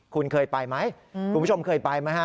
คุณเคยไปไหมคุณผู้ชมเคยไปไหมฮะ